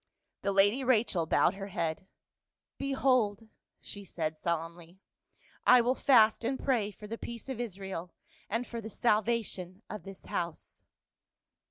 The lady Rachel bowed her head. " Behold !" she said, solemnly, " I will fast and pray for the peace of Israel, and for the salvation of this house."